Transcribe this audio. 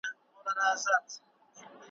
رنګین ګلونه پر ګرېوانه سول `